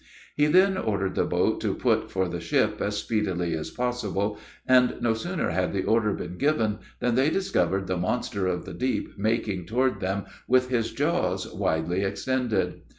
He then ordered the boat to put for the ship as speedily as possible; and no sooner had the order been given, than they discovered the monster of the deep making toward them with his jaws widely extended.